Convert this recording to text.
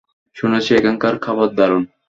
শুনেছি এখানকার খাবার দারুন।